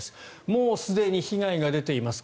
もうすでに被害が出ています。